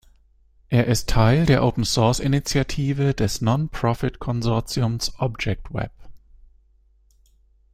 Er ist Teil der Open Source Initiative des non-profit-Konsortiums Object Web.